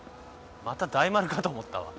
また大丸かと思ったわ。